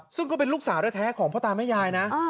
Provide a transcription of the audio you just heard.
ซึ่งก็เป็นลูกสาวแท้ของพ่อตาแม่ยายนะ